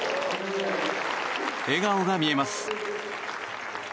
笑顔が見えます。